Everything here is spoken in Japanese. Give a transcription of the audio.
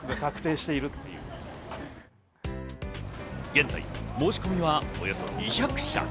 現在、申し込みはおよそ２００社。